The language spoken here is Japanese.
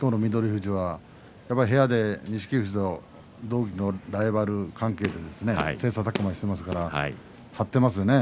富士は部屋で錦富士とライバル関係で切さたく磨していますから張っていますよね